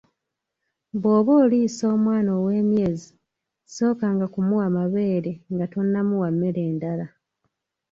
Bw'oba oliisa omwana ow'emyezi , sookanga kumuwa mabeere nga tonnamuwa mmere ndala.